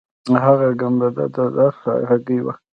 هغه ګنبده د رخ هګۍ وه.